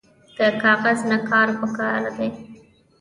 کاغذ نه کار پکار دی